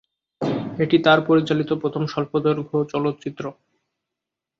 এটি তার পরিচালিত প্রথম স্বল্পদৈর্ঘ্য চলচ্চিত্র।